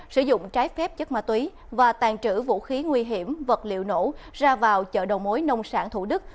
sử dụng trái phép chất ma túy và tàn trữ vũ khí nguy hiểm vật liệu nổ ra vào chợ đầu mối nông sản thủ đức